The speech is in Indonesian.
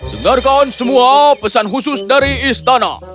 dengarkan semua pesan khusus dari istana